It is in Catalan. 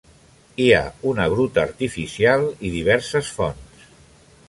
Hi ha una gruta artificial i diverses fonts.